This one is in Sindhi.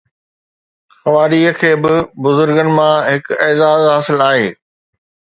خواري کي به بزرگن مان هڪ اعزاز حاصل آهي